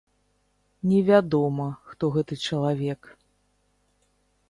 Невядома, хто гэты чалавек.